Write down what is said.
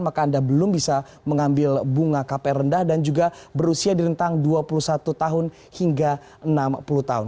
maka anda belum bisa mengambil bunga kpr rendah dan juga berusia di rentang dua puluh satu tahun hingga enam puluh tahun